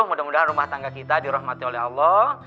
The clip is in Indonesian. mudah mudahan rumah tangga kita dirahmati oleh allah